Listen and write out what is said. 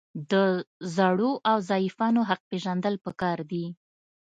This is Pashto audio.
د زړو او ضعیفانو حق پیژندل پکار دي.